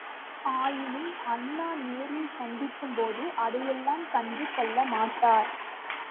ஆயினும் அண்ணா நேரில் சந்திக்கும்போது அதையெல்லாம் கண்டு கொள்ள மாட்டார்.